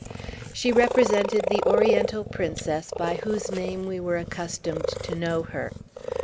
She represented the Oriental princess by whose name we were accustomed to know her.